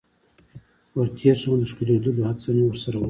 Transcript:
ور تیر شوم او د ښکلېدلو هڅه مې ورسره وکړه.